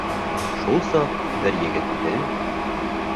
Шул саҡ бер егеттең: